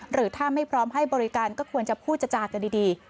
หรือถ้าไม่พร้อมให้บริการก็ควรจะพูดจากันดี